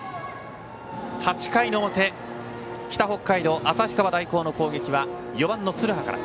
８回の表北北海道・旭川大高の攻撃は４番、鶴羽から。